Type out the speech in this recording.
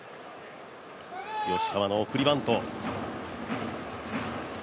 吉川の送りバント。